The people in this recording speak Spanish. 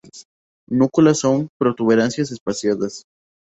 Núculas con protuberancias espaciadas.